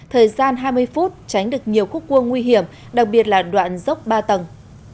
thời gian hai mươi phút tránh được nhiều khúc cua nguy hiểm đặc biệt là đoạn dốc ba tầng